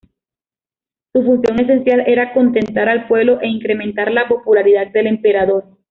Su función esencial era contentar al pueblo e incrementar la popularidad del emperador.